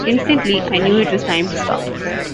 Instantly I knew it was time to stop.